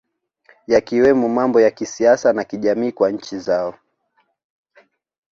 Yakiwemo mambo ya kisiasa na kijamii kwa nchi zao